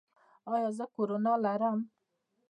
ایا زه کرونا لرم؟